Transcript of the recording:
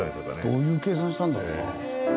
どういう計算したんだろうな？